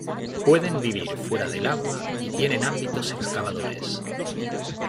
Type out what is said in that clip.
Pueden vivir fuera del agua y tienen ámbitos excavadores.